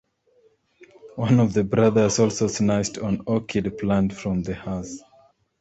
One of the brothers also snatched an orchid plant from the house.